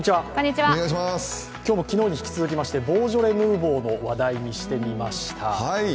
今日も昨日に引き続きましてボージョレ・ヌーボーの話題にしてみました。